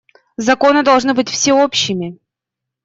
Законы должны быть всеобщими.